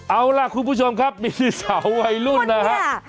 เอาล่ะคุณผู้ชมครับมีสาววัยรุ่นนะฮะ